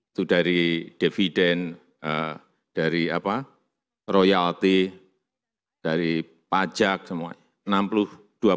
itu dari dividen dari royalti dari pajak semuanya